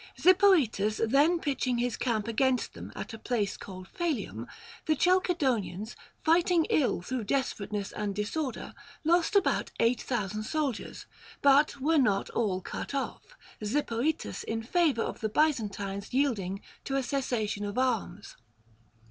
Zipoetus then pitching his camp against them at a place called Phalium, the Chalcedonians, fighting ill through desperateness and disorder, lost about eight thousand sol diers, but were not all cut off, Zipoetus in favor of the Byzantines yielding to a cessation of arms.